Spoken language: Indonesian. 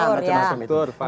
masa infrastruktur ya